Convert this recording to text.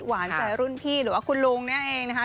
หวานใจรุ่นพี่หรือว่าคุณลุงเนี่ยเองนะคะ